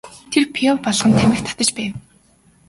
Тэр пиво балган тамхи татаж байв.